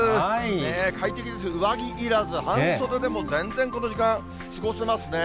快適ですよ、上着いらず、半袖でも全然この時間、過ごせますね。